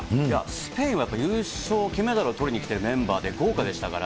スペインは優勝、金メダルをとりにきてるメンバーで豪華でしたから。